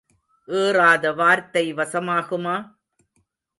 ஏறாத வார்த்தை வசமாகுமா?